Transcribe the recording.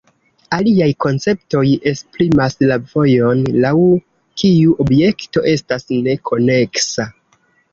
Aliaj konceptoj esprimas la vojon laŭ kiu objekto estas "ne" koneksa.